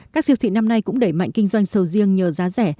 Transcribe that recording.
các siêu thị năm nay cũng đẩy mạnh kinh doanh sầu riêng nhờ giá rẻ